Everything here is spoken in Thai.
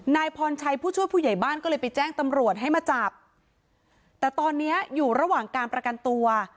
นายพรชัยผู้ช่วยผู้ใหญ่บ้านก็เลยไปแจ้งตำรวจให้มาจับแต่ตอนเนี้ยอยู่ระหว่างการประกันตัว